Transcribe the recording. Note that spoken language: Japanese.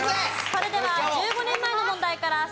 それでは１５年前の問題から再開です。